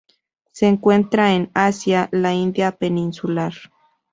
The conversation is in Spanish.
Se encuentran en Asia: la India peninsular.